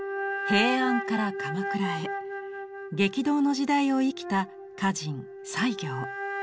平安から鎌倉へ激動の時代を生きた歌人西行。